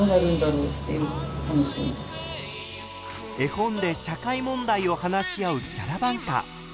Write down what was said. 絵本で社会問題を話し合うキャラバンカー。